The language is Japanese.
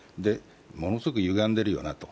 ものすごくゆがんでるよなと。